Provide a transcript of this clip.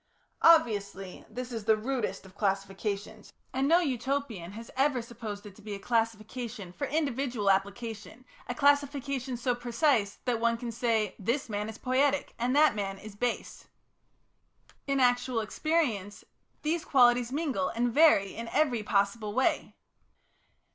Obviously, this is the rudest of classifications, and no Utopian has ever supposed it to be a classification for individual application, a classification so precise that one can say, this man is "poietic," and that man is "base." In actual experience these qualities mingle and vary in every possible way.